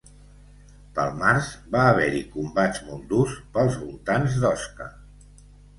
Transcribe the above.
Pel març va haver-hi combats molt durs pels voltants d'Osca